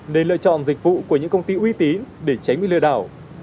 nên lựa chọn dịch vụ của những công ty uy tín để tránh bị lừa đảo